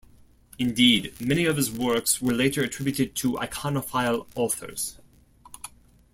Indeed, many of his works were later attributed to iconophile authors.